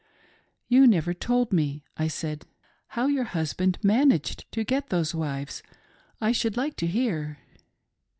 " You never told me," I said, " how your husband managed to get those wives. I should like to hear."